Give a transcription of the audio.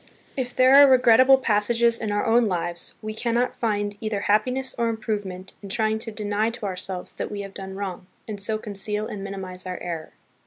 If there are re regrettable passages in our own lives, we cannot find either happiness or improvement in trying to deny to ourselves that we have done wrong, and so conceal and minimize our error.